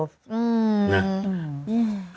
อืม